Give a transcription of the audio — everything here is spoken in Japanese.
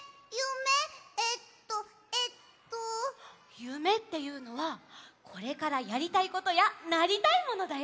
ゆめっていうのはこれからやりたいことやなりたいものだよ。